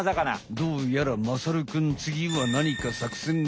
どうやらまさるくんつぎはなにかさくせんがありそうだね。